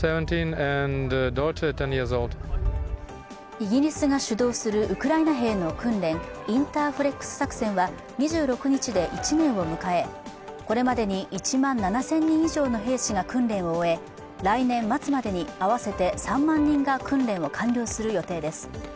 イギリスが主導するウクライナ兵の訓練、インターフレックス作戦は、２６日で１年を迎え、これまでに１万７０００人以上の兵士が訓練を終え来年末までに合わせて３万人が訓練を完了する予定です。